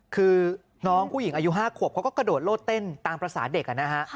คือน้องหูอายุ๕ขวบก็กระโดดโลดเต้นตามภาษาเด็ก